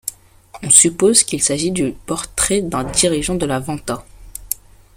On suppose qu'il s'agit du portrait d'un dirigeant de La Venta.